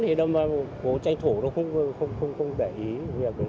thì bố tranh thủ nó không để ý việc đấy mình không ý thức được cái việc đấy